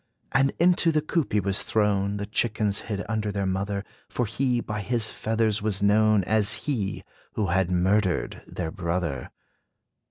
And into the coop he was thrown: The chickens hid under their mother, For he, by his feathers was known As he, who had murdered their brother.